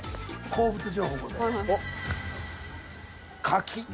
好物情報ございます。